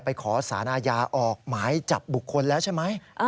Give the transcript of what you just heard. ขอสารอาญาออกหมายจับบุคคลแล้วใช่ไหม